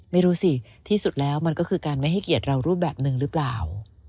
ไม่รู้สิที่สุดแล้วมันก็คือการไม่ให้เกียรติเรารูปแบบหนึ่งหรือเปล่า